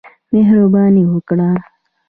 مهرباني وکړه.